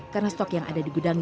karena stok yang ada di gudangnya